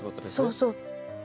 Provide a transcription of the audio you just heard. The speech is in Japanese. そうそう。